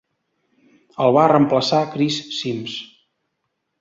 El va reemplaçar Chris Sims.